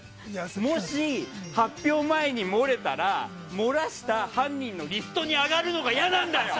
もし、発表前に漏れたら漏らした犯人のリストに挙がるのが嫌なんだよ！